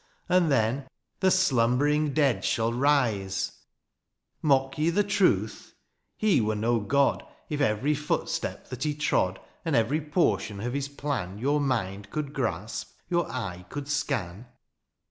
^^And then the slumbering dead shall rise !^^ Mock ye the truth ? He were no God ^^ If every footstep that he trod, ^^ And every portion of his plan ^^ Your mind could grasp, your eye could scan.